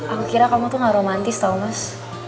aku kira kamu tuh gak romantis tau mas